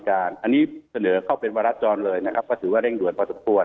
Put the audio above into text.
อันนี้เสนอเข้าเป็นวาระจรเลยนะครับก็ถือว่าเร่งด่วนพอสมควร